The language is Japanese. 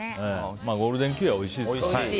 ゴールデンキウイはおいしいですけど。